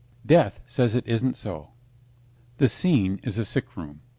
Death Says It Isn't So THE scene is a sickroom.